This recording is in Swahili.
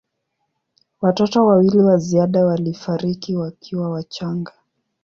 Watoto wawili wa ziada walifariki wakiwa wachanga.